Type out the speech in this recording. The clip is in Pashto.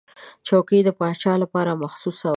چوکۍ د پاچا لپاره مخصوصه وه.